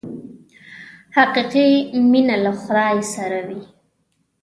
حقیقي مینه له خدای سره وي.